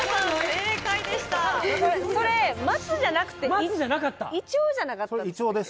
正解でしたそれ松じゃなくてイチョウじゃなかった？